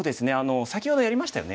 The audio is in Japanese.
先ほどやりましたよね。